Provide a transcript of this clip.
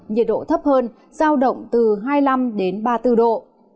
nhiệt độ thấp hơn giao động từ hai mươi năm đến ba mươi bốn độ